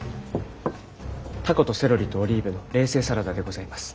タコとセロリとオリーブの冷製サラダでございます。